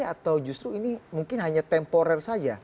atau justru ini mungkin hanya temporer saja